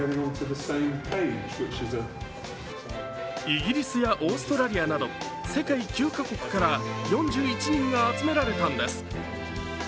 イギリスやオーストラリアなど世界９カ国から４１人が集められたのです。